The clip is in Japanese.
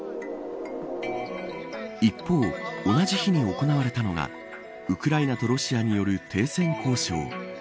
一方、同じ日に行われたのがウクライナとロシアによる停戦交渉。